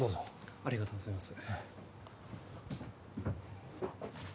ありがとうございます